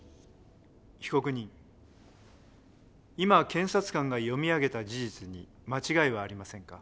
被告人今検察官が読み上げた事実に間違いはありませんか？